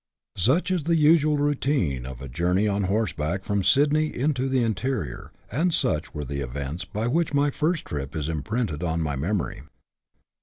Such is the usual routine of a journey on horseback from 10 BUSH LIFE IN AUSTRALIA. [chap. i. Sydney into the interior, and such were the events by which my first trip is imprinted on my memory.